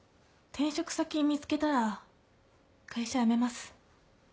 転職先見つけたら会社辞めます。